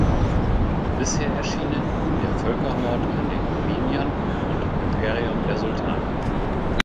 Bisher erschienen "Der Völkermord an den Armeniern" und "Imperium der Sultane.